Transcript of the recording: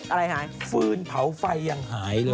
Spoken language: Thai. อะไรหายฟืนเผาไฟยังหายเลย